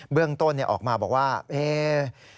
เบื้องต้นเนี่ยออกมาว่าเอ้ยยย